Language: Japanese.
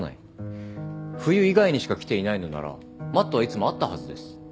冬以外にしか来ていないのならマットはいつもあったはずです。